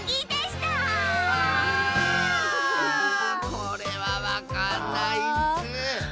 これはわかんないッス！